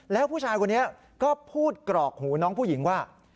แล้วผู้ชายคนนี้ก็พูดกรอกหูน้องผู้หญิงว่า